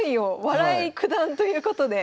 笑い九段ということで。